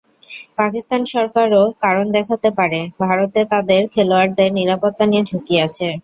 পাকিস্তান সরকারও কারণ দেখাতে পারে, ভারতে তাদের খেলোয়াড়দের নিরাপত্তা নিয়ে ঝুঁকি আছে।